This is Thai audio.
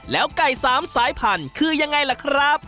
แล้วไก่๓สายพันธุ์คือยังไงล่ะครับ